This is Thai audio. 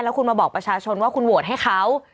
คุณมาบอกประชาชนว่าคุณโหวตให้เขา